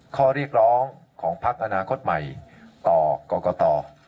ข้อเรียกร้องของพักอนาคตใหม่ต่อกรกต